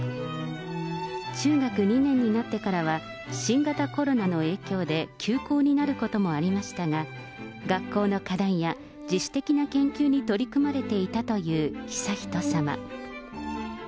中学２年になってからは、新型コロナの影響で休校になることもありましたが、学校の課題や、自主的な研究に取り組まれていたという悠仁さま。